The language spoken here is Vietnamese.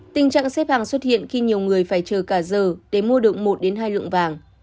tình trạng xếp hàng xuất hiện khi nhiều người phải chờ cả giờ để mua được một hai lượng vàng